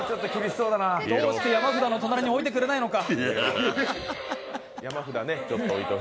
どうして山札の隣に置いてくれないのか。